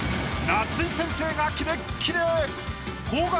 夏井先生がキレッキレ！